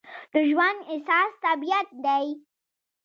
د ژوند اساس طبیعت دی.